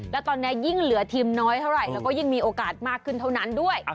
แล้วตอนนี้ยิ่งเหลือทีมน้อยเท่าไหร่แล้วก็ยิ่งมีโอกาสมากขึ้นเท่านั้นด้วย